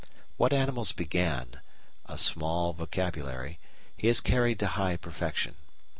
What animals began a small vocabulary he has carried to high perfection.